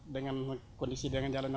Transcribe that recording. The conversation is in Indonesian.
dengan kondisi dengan jalan ini